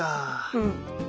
うん。